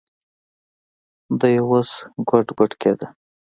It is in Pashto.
دى اوس ګوډ ګوډ کېده.